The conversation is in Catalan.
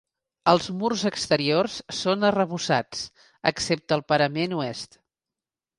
Els murs exteriors són arrebossats excepte al parament oest.